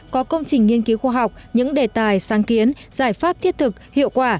có công trình nghiên cứu khoa học những đề tài sáng kiến giải pháp thiết thực hiệu quả